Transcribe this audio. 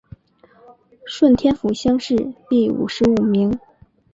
顺天府乡试第五十五名。